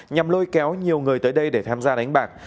nhằm lôi kéo nhiều người tới đây để tham gia đánh bạc